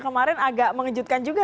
kemarin agak mengejutkan juga